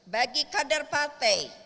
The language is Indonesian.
bagi kader partai